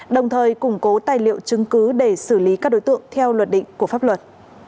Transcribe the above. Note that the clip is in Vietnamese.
đồng thời củng cố tài liệu chứng cứ để xử lý các đối tượng theo luật định của pháp luật